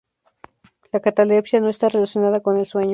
La catalepsia no está relacionada con el sueño.